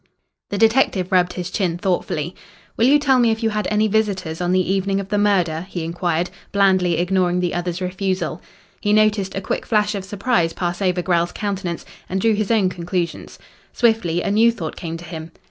The detective rubbed his chin thoughtfully. "Will you tell me if you had any visitors on the evening of the murder?" he inquired, blandly ignoring the other's refusal. He noticed a quick flash of surprise pass over Grell's countenance and drew his own conclusions. Swiftly a new thought came to him.